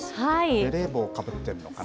ベレー帽かぶってるのかな。